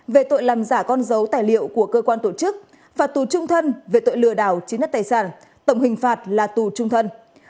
về tội làm giả con dấu tài liệu của cơ quan tổ chức phạt tù trung thân về tội lừa đảo chiếm đất tài sản tổng hình phạt là tù trung thân